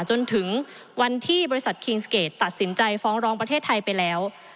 จนถึงวันที่บริษัทคิงสเกจตัดสินใจฟ้องร้องประเทศไทยไปแล้ว